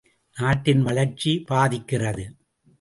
நாட்டின் வளர்ச்சி பாதிக்கிறது!